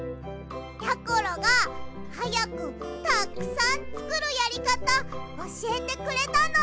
やころがはやくたくさんつくるやりかたおしえてくれたの。